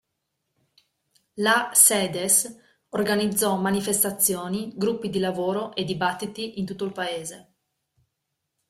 La Sedes organizzò manifestazioni, gruppi di lavoro e dibattiti in tutto il paese.